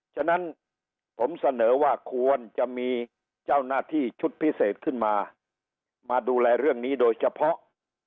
ฉะนั้นผมเสนอว่าควรจะมีเจ้าหน้าที่ชุดพิเศษขึ้นมามาดูแลเรื่องนี้โดยเฉพาะ